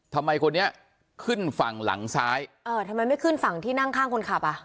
ทำไมคนนี้ขึ้นฝั่งหลังซ้ายเออทำไมไม่ขึ้นฝั่งที่นั่งข้างคนขับอ่ะ